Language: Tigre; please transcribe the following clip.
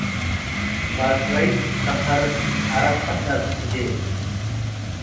ባሰራይት እት ሰምሀር ዐረብ ሐዳስ እት እዴ